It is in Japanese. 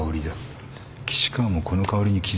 岸川もこの香りに気付いたんだろう。